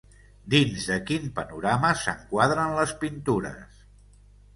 Dins de quin panorama s'enquadren les pintures?